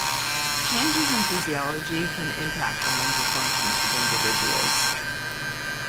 Changes in physiology can impact the mental functions of individuals.